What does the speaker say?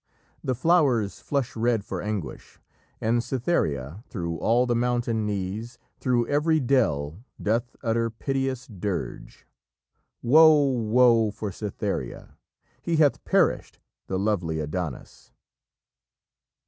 The flowers flush red for anguish, and Cytherea through all the mountain knees, through every dell doth utter piteous dirge: "'_Woe, woe for Cytherea, he hath perished, the lovely Adonis!